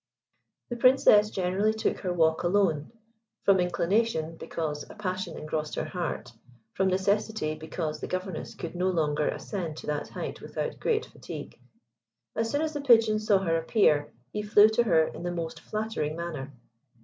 The Princess generally took her walk alone; from inclination, because a passion engrossed her heart; from necessity, because the Governess could no longer ascend to that height without great fatigue. As soon as the Pigeon saw her appear, he flew to her in the most flattering manner.